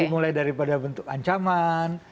jadi mulai daripada bentuk ancaman